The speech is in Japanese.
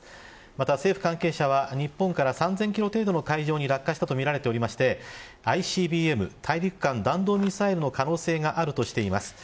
また政府関係者は、日本から３０００キロ程度の海上に落下したとみられておりましてＩＣＢＭ大陸間弾道ミサイルの可能性があるとしています。